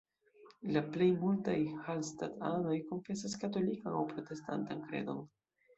La plej multaj Hallstatt-anoj konfesas katolikan aŭ protestantan kredon.